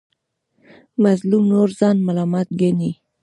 مظلوم نور ځان ملامت ګڼي.